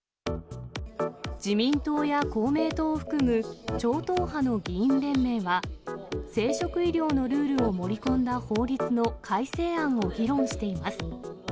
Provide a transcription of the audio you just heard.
自民党や公明党を含む超党派の議員連盟は、生殖医療のルールを盛り込んだ法律の改正案を議論しています。